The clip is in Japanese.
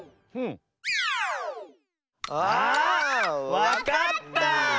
わかった！